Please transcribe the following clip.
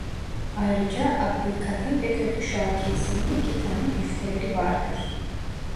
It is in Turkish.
Ayrıca "Abdülkadir" ve "Kötü şarkı" isimli iki tane güfteleri vardır.